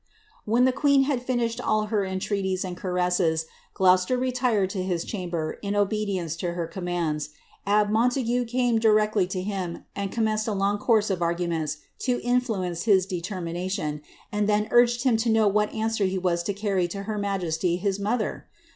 When the queen had finished all her entreaties and caresses, Gloucester retired to his chamber, in obedience to her commands. Abbe Montague came directly to him, and commenced a long course of argu ments to influence his determination, and then urged him to know what inswer he was to carry to her majesty, his mother